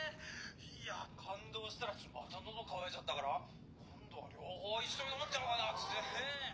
いや感動したらまた喉渇いちゃったから今度は両方一緒に飲んじゃおうかなっつってね。